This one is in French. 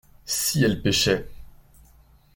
Si elle pêchait.